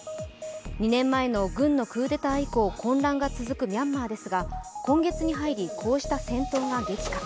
２年前の軍のクーデター以降、混乱が続くミャンマーですが今月に入り、こうした戦闘が激化。